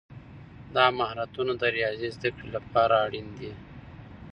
دا مهارتونه د ریاضي زده کړې لپاره اړین دي.